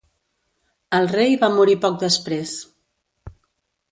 El rei va morir poc després.